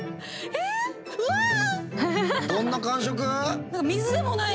どんな感触？